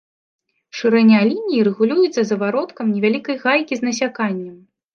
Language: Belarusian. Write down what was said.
Шырыня лініі рэгулюецца завароткам невялікай гайкі з насяканнем.